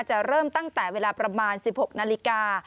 เริ่มตั้งแต่เวลาประมาณ๑๖นาฬิกา